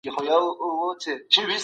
علم د ژوند رښتينی کمال دی.